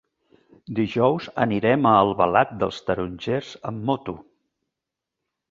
Dijous anirem a Albalat dels Tarongers amb moto.